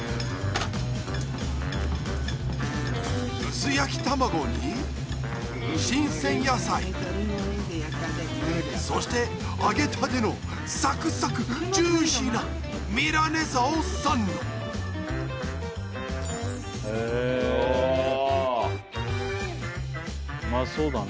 薄焼き卵に新鮮野菜そして揚げたてのサクサクジューシーなミラネサをサンドうまそうだな。